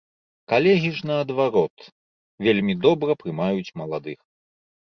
Калегі ж наадварот, вельмі добра прымаюць маладых.